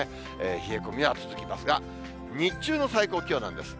冷え込みは続きますが、日中の最高気温なんです。